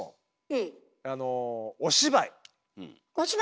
お芝居！